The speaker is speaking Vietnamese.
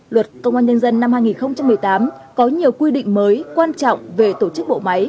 luật công an nhân dân năm hai nghìn một mươi tám có nhiều quy định mới quan trọng về tổ chức bộ máy